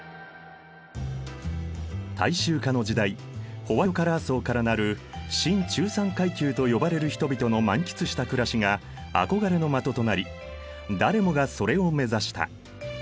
大衆化の時代ホワイトカラー層からなる新中産階級と呼ばれる人々の満喫した暮らしが憧れの的となり誰もがそれを目指した。